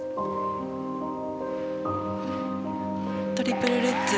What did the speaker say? トリプルルッツ。